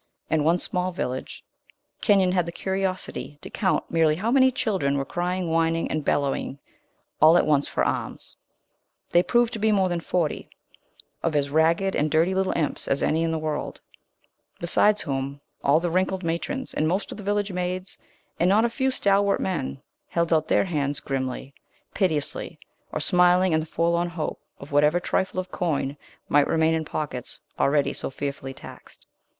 In one small village, Kenyon had the curiosity to count merely how many children were crying, whining, and bellowing all at once for alms. They proved to be more than forty of as ragged and dirty little imps as any in the world; besides whom, all the wrinkled matrons, and most of the village maids, and not a few stalwart men, held out their hands grimly, piteously, or smilingly in the forlorn hope of whatever trifle of coin might remain in pockets already so fearfully taxed.